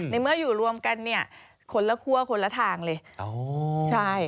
ในเมื่ออยู่รวมกันคนละขั้วคนละทางเลย